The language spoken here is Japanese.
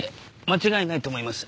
間違いないと思います。